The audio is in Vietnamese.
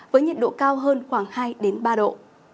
với nhiệt độ cao hơn khoảng hai ba độ